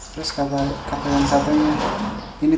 terus kata maruh ngomongnya gini